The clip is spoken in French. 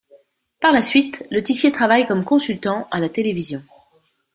Par la suite Le Tissier travaille comme consultant à la télévision.